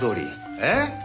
えっ？